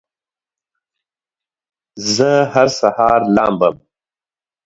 زه هر سهار لامبم